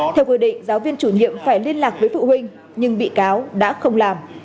theo quy định giáo viên chủ nhiệm phải liên lạc với phụ huynh nhưng bị cáo đã không làm